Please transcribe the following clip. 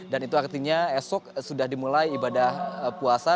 dan itu artinya esok sudah dimulai ibadah puasa